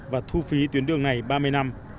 và thu phí tuyến đường này ba mươi năm